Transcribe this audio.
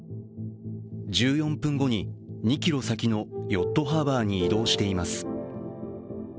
１４分後に２ｋｍ先のヨットハーバーに移動しています。